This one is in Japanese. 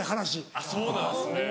あっそうなんですね。